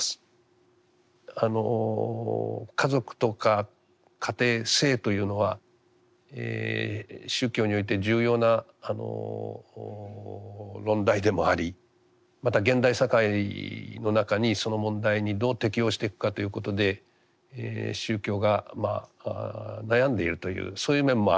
家族とか家庭性というのは宗教において重要な論題でもありまた現代社会の中にその問題にどう適応していくかということで宗教が悩んでいるというそういう面もある問題かと思います。